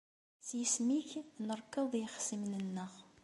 S yisem-ik, nerkeḍ ixṣimen-nneɣ.